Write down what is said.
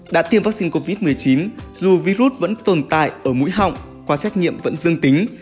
đã tiêm vaccine covid một mươi chín dù virus vẫn tồn tại ở mũi họng qua xét nghiệm vẫn dương tính